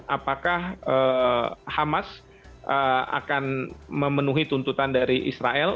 apakah hamas akan memenuhi tuntutan dari israel